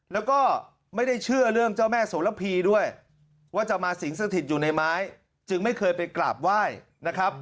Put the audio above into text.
แล้วก็ไม่ได้เชื่อเรื่องเจ้าแม่โสระพีด้วยว่าจะมาสิงสถิตอยู่ในไม้จึงไม่เคยไปกราบไหว้นะครับ